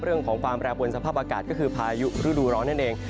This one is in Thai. เรื่องของความแปรปวนสภาพอากาศก็คือพายุฤดูร้อนนั่นเอง